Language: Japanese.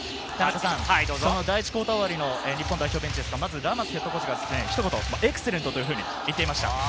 その第１クオーター終わりの日本代表ベンチ、ラマスヘッドコーチはひと言、「エクセレント！」と言っていました。